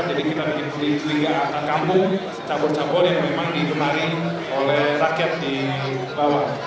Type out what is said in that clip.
jadi kita bikin tiga kampung cabur cabur yang memang digemari oleh rakyat di bawah